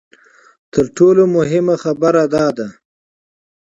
تر ټولو مهمه خبره دا ده چې.